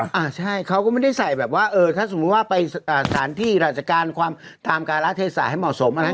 อ่าใช่เขาก็ไม่ได้ใส่แบบว่าถ้าสมมุติว่าไปสถานที่หลักศักรรณ์ความตามการรักษาให้เหมาะสมอะไร